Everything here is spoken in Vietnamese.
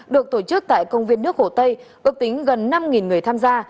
được tổ chức tại công viên nước hồ tây ước tính gần năm người tham gia